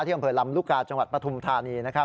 ที่อำเภอลำรุกาจังหวัดปฐุมธานี